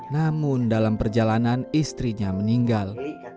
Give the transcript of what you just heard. namun dalam perjalanan istrinya meninggal